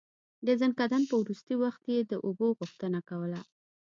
د ځنکدن په وروستی وخت يې د اوبو غوښتنه کوله.